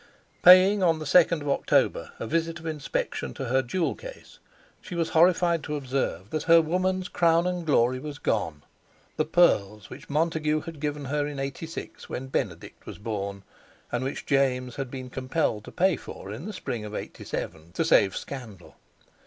Paying on the 2nd of October a visit of inspection to her jewel case, she was horrified to observe that her woman's crown and glory was gone—the pearls which Montague had given her in '86, when Benedict was born, and which James had been compelled to pay for in the spring of '87, to save scandal.